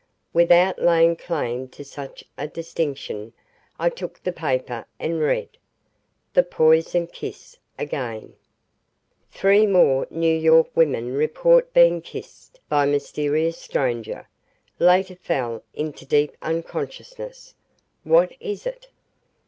Without laying claim to such a distinction, I took the paper and read: THE POISONED KISS AGAIN Three More New York Women Report Being Kissed by Mysterious Stranger Later Fell into Deep Unconsciousness. What Is It?